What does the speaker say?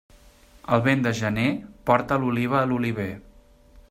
El vent de gener porta l'oliva a l'oliver.